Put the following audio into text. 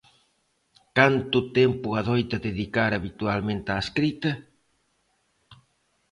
Canto tempo adoita dedicar habitualmente á escrita?